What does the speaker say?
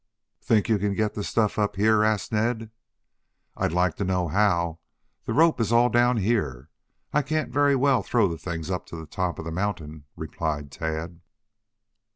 "Think you can get the stuff up here?" asked Ned. "I'd like to know how? The rope is all down here. I can't very well throw the things up to the top of the mountain," replied Tad.